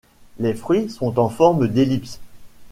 Les fruits sont en forme d'ellipse.